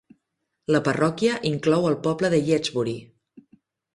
La parròquia inclou el poble de Yatesbury.